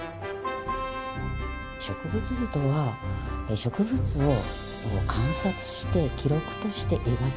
植物図とは植物を観察して記録として描く。